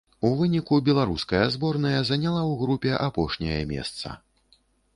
У выніку беларуская зборная заняла ў групе апошняе месца.